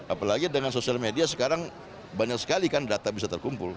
apalagi dengan sosial media sekarang banyak sekali kan data bisa terkumpul